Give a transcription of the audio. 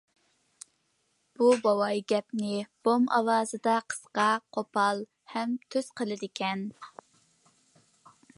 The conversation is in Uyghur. بۇ بوۋاي گەپنى بوم ئاۋازدا قىسقا، قوپال ھەم تۈز قىلىدىكەن.